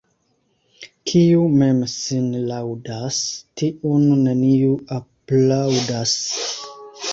Kiu mem sin laŭdas, tiun neniu aplaŭdas.